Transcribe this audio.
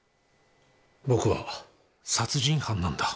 僕は殺人犯なんだ。